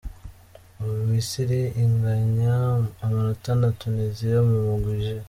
Ubu Misri inganya amanota na Tunisia mu mugwi J.